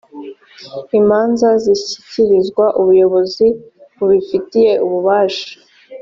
imanza zishyikirizwa ubuyobozi bubifitiye ububasha